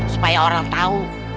supaya orang tau